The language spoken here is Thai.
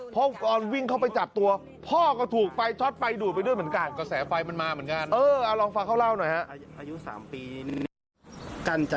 เพราะก่อนวิ่งเข้าไปจับตัวพอก็ถูกไปช็อตไปดูดไปด้วยเหมือนกัน